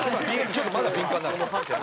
ちょっとまだ敏感だから。